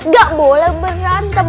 gak boleh berantem